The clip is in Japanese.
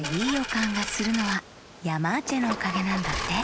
かんがするのはヤマーチェのおかげなんだって。